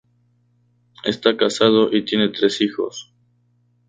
Esta casado y tiene tres hijos.